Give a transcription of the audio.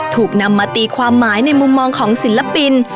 ถูกนำมาตีความหมายในมุมมองของศิลปิน